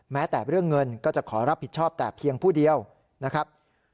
แม้แต่เรื่องเงินก็จะขอรับผิดชอบแต่เพียงผู้เดียวนะครับ